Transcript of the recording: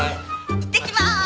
いってきまーす。